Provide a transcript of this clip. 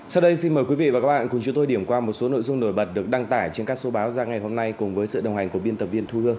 sau đây xin mời quý vị và các bạn cùng chúng tôi điểm qua một số nội dung nổi bật được đăng tải trên các số báo ra ngày hôm nay cùng với sự đồng hành của biên tập viên thu hương